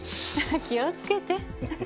気をつけて。